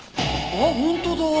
あっ本当だ！